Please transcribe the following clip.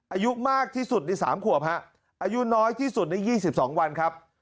อายุมากที่สุดใน๓ขวบฮะอายุน้อยที่สุดใน๒๒วันครับ